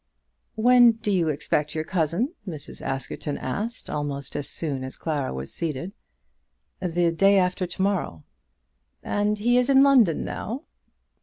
"When do you expect your cousin?" Mrs. Askerton asked, almost as soon as Clara was seated. "The day after to morrow." "And he is in London now?"